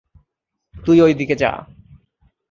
তুই ঐদিকে যা।